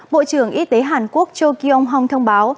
bộ trưởng y tế hàn quốc cho kieong hong thông báo